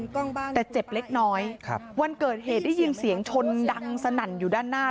กล้องบ้านแต่เจ็บเล็กน้อยครับวันเกิดเหตุได้ยินเสียงชนดังสนั่นอยู่ด้านหน้า